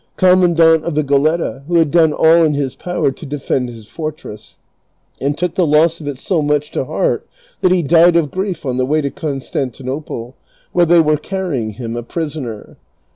commandant of the Goletta, who had done all in his power to defend his fortress, and took the loss of it so much to heart that he died of grief on the way to Constantinople, where they were carrying him a prisoner.